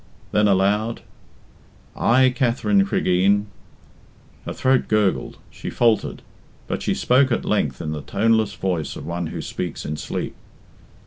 Then, aloud, "'I, Katherine Cregeen.'" Her throat gurgled; she faltered, but she spoke at length in the toneless voice of one who speaks in sleep.